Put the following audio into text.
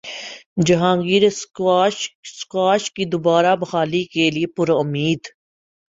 Jahangir squash کی دوبارہ بحالی کیلئے پرامید